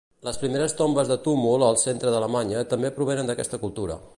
Les primeres tombes de túmul al centre d'Alemanya també provenen d'aquesta cultura.